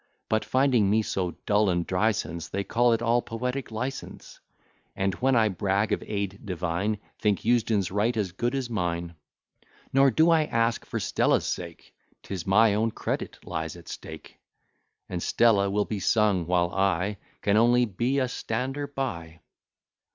But, finding me so dull and dry since, They'll call it all poetic license; And when I brag of aid divine, Think Eusden's right as good as mine. Nor do I ask for Stella's sake; 'Tis my own credit lies at stake: And Stella will be sung, while I Can only be a stander by.